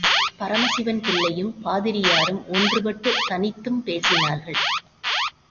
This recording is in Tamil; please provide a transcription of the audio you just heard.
பரமசிவம் பிள்ளையும், பாதிரியாரும் ஒன்றுபட்டுத் தனித்தும் பேசினார்கள்.